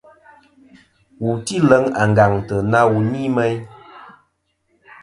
Wu tî leŋ àngàŋtɨ na wù ni meyn.